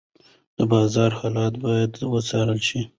د بازار حالت باید وڅارل شي.